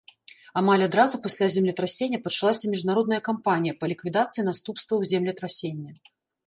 Амаль адразу пасля землетрасення пачалася міжнародная кампанія па ліквідацыі наступстваў землетрасення.